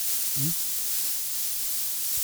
Où ?